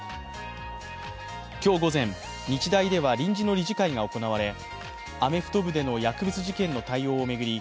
今日午前、日大では臨時の理事会が行われ、アメフト部での薬物事件の対応を巡り